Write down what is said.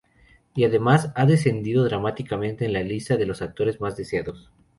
Y además, ha descendido dramáticamente en la lista de los actores más deseados.